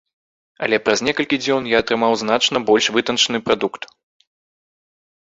Але праз некалькі дзён я атрымаў значна больш вытанчаны прадукт.